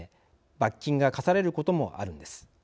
罰金が科されることもあるんです。